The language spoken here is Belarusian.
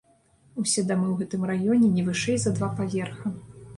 Усе дамы ў гэтым раёне не вышэй за два паверха.